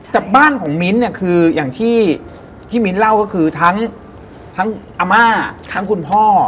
แต่บ้านของมิ้นท์เนี่ยคืออย่างที่มิ้นท์เล่าก็คือทั้งอาม่าทั้งคุณพ่อ